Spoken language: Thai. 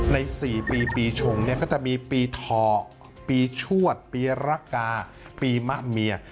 ใน๔ปีปีชงก็จะมีปีทอปีชวดปีระกาศปีมะเมีย